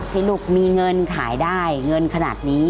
สนุกมีเงินขายได้เงินขนาดนี้